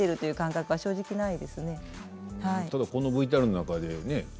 ただこのＶＴＲの中でねえ